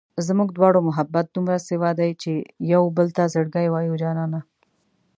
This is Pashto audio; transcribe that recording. زموږ دواړو محبت دومره سېوا دی چې و يوبل ته زړګی وایو جانانه